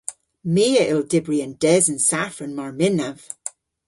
My a yll dybri an desen safran mar mynnav.